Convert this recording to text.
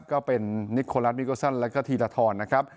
ก็เป็นนิโครัฐนิโกซันแล้วก็ธีรทรนะครับ